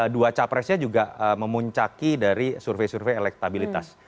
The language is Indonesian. dua capresnya juga memuncaki dari survei survei elektabilitas